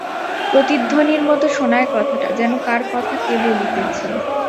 প্রতিধ্বনির মতো শোনায় কথাটা, যেন কার কথা কে বলিতেছে!